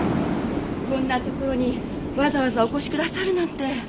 こんな所にわざわざお越しくださるなんて。